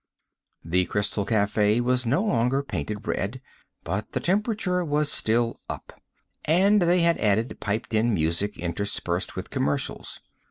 The Crystal Cafe was no longer painted red, but the temperature was still up. And they had added piped in music interspersed with commercials.